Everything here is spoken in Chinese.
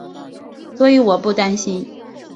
所以我不担心